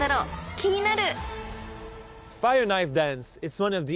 気になる！］